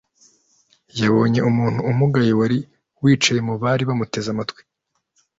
yabonye umuntu umugaye wari wicaye mu bari bamuteze amatwi.